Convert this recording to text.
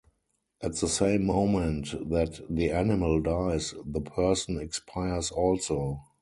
At the same moment that the animal dies the person expires also.